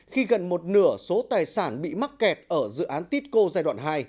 khi gần một nửa số tài sản bị mắc kẹt ở dự án titco giai đoạn hai